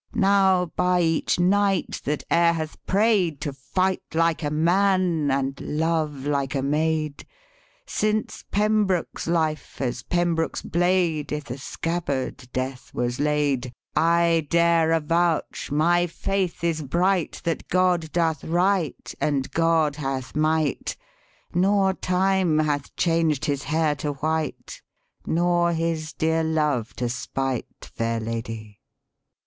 Now by each knight that e'er hath prayed To fight like a man and love like a maid, Since Pembroke's life as Pembroke's blade, I* the scabbard, death was laid, THE SPEAKING VOICE I dare avouch my faith is bright That God doth right and God hath might. Nor time hath changed His hair to white, Nor His dear love to spite, Fair Lady.